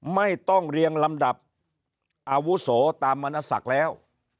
ไม่ต้องเรียงลำดับอาวุโสตามมณศักดิ์แล้ว